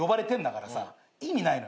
意味ないの。